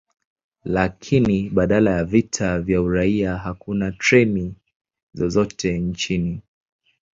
Lakini baada ya vita vya uraia, hakuna treni zozote nchini.